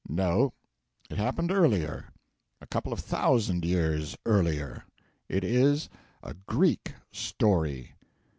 'No; it happened earlier a couple of thousand years earlier; it is a Greek story.'